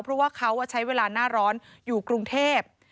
เพราะว่าเขาใช้เวลาหน้าร้อนอยู่กรุงเทพ